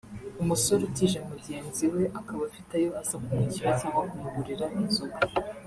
umusore utije mugenzi we akaba afite ayo aza kumwishyura cyangwa kumugurira inzoga